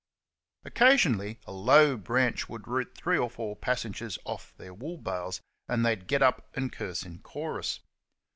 Occasionally a low branch would root three or four passengers off their wool bales, and they'd get up and curse in chorus.